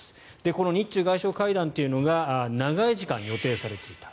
この日中外相会談というのが長い時間予定されていた。